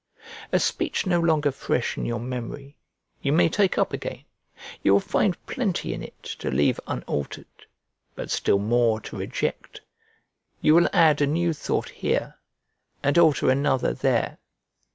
A speech no longer fresh in your memory, you may take up again. You will find plenty in it to leave unaltered, but still more to reject; you will add a new thought here, and alter another there.